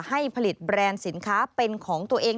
ให้ผลิตแบรนด์สินค้าเป็นของตัวเอง